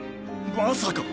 まさか。